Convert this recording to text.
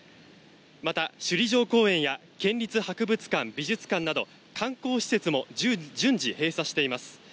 また、首里城公園や県立博物館、美術館なども観光施設も順次閉鎖しています。